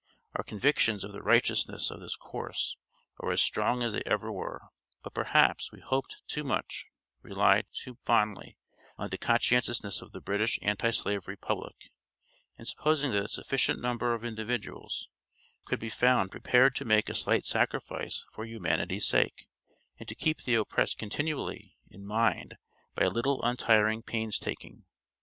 Our convictions of the righteousness of this course are as strong as they ever were; but perhaps we hoped too much, relied too fondly on the conscientiousness of the British Anti Slavery public, in supposing that a sufficient number of individuals could be found prepared to make a slight sacrifice for humanity's sake, and to keep the oppressed continually in mind by a little untiring pains taking.